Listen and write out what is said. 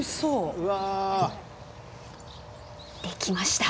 できました。